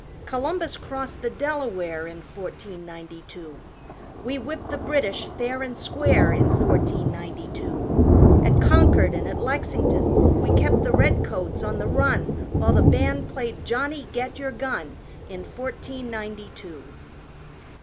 Columbus crossed the Delaware In fourteen ninety two; We whipped the British, fair an' square, In fourteen ninety two. At Concord an' at Lexington. We kept the redcoats on the run, While the band played Johnny Get Your Gun, In fourteen ninety two.